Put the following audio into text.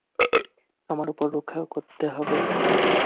আমার উপর রক্ষা করতে হবে।